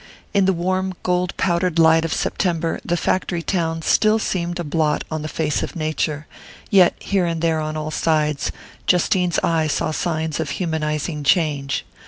In the warm gold powdered light of September the factory town still seemed a blot on the face of nature; yet here and there, on all sides, Justine's eye saw signs of humanizing change.